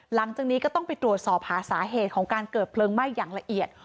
หลังจากนี้ก็ต้องไปตรวจสอบหาสาเหตุของการเกิดเพลิงไหม้อย่างละเอียด